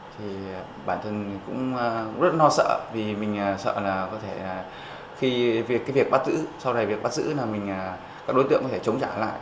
thì bản thân cũng rất lo sợ vì mình sợ là có thể khi việc bắt giữ sau này việc bắt giữ là mình các đối tượng có thể chống trả lại